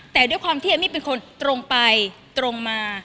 แต่ด้วยความที่เอมมี่เป็นคนตรงไปตรงมา